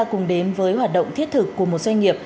cùng đến với hoạt động thiết thực của một doanh nghiệp